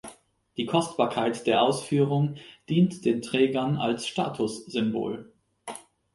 Die Kostbarkeit der Ausführung dient den Trägern als Statussymbol.